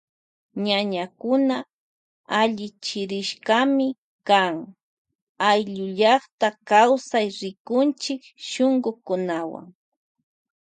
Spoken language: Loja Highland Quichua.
Ñañnkuna allichirishkami kan ayllu llakta kawsay rikuchik shuyukunawan.